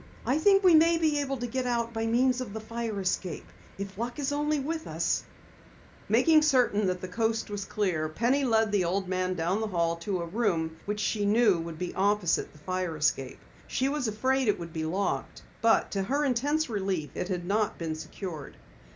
"I think we may be able to get out by means of the fire escape. If luck is only with us " Making certain that the coast was clear, Penny led the old man down the hall to a room which she knew would be opposite the fire escape. She was afraid it would be locked, but to her intense relief it had not been secured.